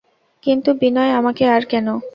কিন্তু, বিনয়, আমাকে আর কেন?